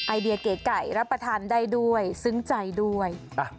ไอเดียเก๋ไก่รับประทานได้ด้วยซึ้งใจด้วย